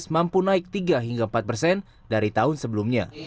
mampu naik tiga hingga empat persen dari tahun sebelumnya